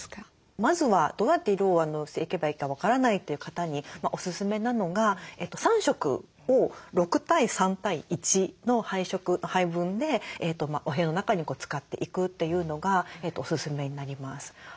まずはどうやって色をしていけばいいか分からないという方におススメなのが３色を６対３対１の配色配分でお部屋の中に使っていくというのがおススメになります。